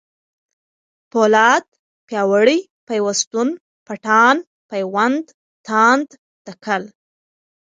پولاد ، پیاوړی ، پيوستون ، پټان ، پېوند ، تاند ، تکل